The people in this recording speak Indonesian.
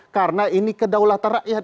karena ini kedaulat rakyat